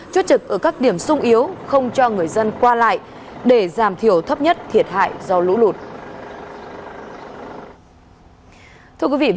chốt trực ở các điểm sung yếu không cho người dân qua lại để giảm thiểu thấp nhất thiệt hại do lũ lụt